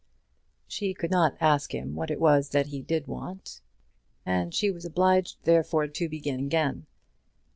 She could not ask him what it was that he did want, and she was obliged therefore to begin again.